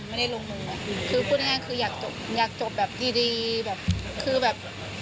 ไม่ได้ลงมือคือพูดง่ายคืออยากจบอยากจบแบบดีดีแบบคือแบบ